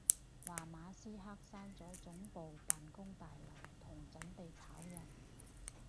話馬斯克閂咗總部辦公大樓同準備炒人